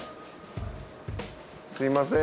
すみません